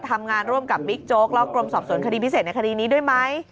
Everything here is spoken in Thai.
ทำงานร่วมกับบิ๊กโจ๊กและกรมสอบสวนคดีพิเศษในคดีนี้ด้วยไหม